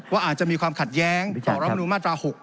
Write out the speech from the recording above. ว่าอาจจะมีความขัดแย้งต่อรัฐมนุนมาตรา๖